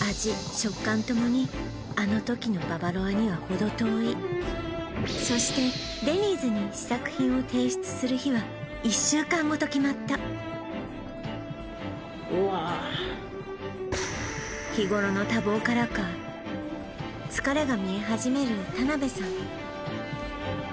食感ともにあの時のババロアには程遠いそしてデニーズに試作品を提出する日は１週間後と決まった見え始める田辺さん